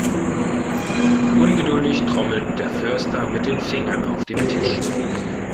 Ungeduldig trommelt der Förster mit den Fingern auf dem Tisch.